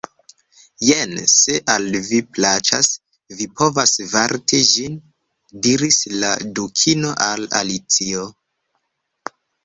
"Jen! Se al vi plaĉas, vi povas varti ĝin!" diris la Dukino al Alicio.